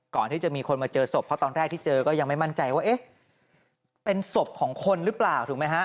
ก่อนที่จะมีคนมาเจอศพเพราะตอนแรกที่เจอก็ยังไม่มั่นใจว่าเอ๊ะเป็นศพของคนหรือเปล่าถูกไหมฮะ